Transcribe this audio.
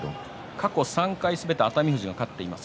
過去３回は熱海富士が勝っています。